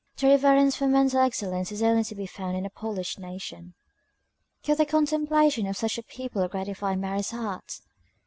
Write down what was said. Reverence for mental excellence is only to be found in a polished nation. Could the contemplation of such a people gratify Mary's heart?